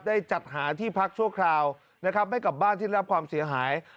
จัดหาที่พักชั่วคราวนะครับให้กับบ้านที่รับความเสียหาย